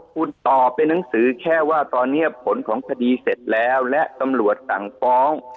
คุณตอบเป็นหนังสือแค่ว่าตอนนี้ผลของคดีเสร็จแล้วและตำรวจสั่งฟ้อง